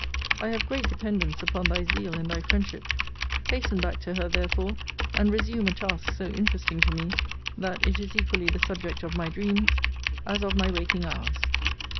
I have great dependence upon thy zeal and thy friendship: hasten back to her, therefore, and resume a task so interesting to me, that it is equally the subject of my dreams, as of my waking hours.